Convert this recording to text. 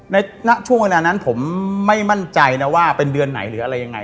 ในช่วงเวลานั้นผมไม่มั่นใจนะว่าเป็นเดือนไหนหรืออะไรยังไง